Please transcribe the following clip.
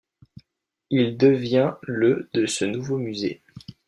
Il devient le de ce nouveau musée.